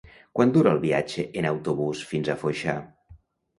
Quant dura el viatge en autobús fins a Foixà?